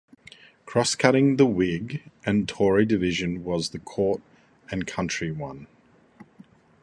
Cross-cutting the Whig and Tory division was the Court and Country one.